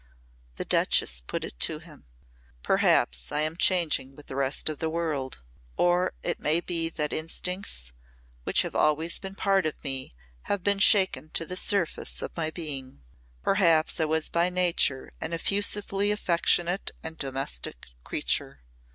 the Duchess put it to him. "Perhaps I am changing with the rest of the world, or it may be that instincts which have always been part of me have been shaken to the surface of my being. Perhaps I was by nature an effusively affectionate and domestic creature.